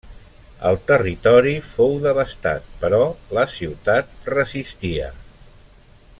El territori fou devastat però la ciutat resistia.